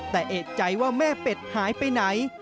แต่เอกใจว่าแม่เป็ดหายไปไหน